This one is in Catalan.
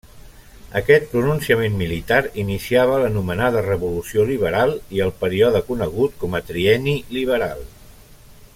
Aquest pronunciament militar iniciava l'anomenada Revolució Liberal i el període conegut com a Trienni Liberal.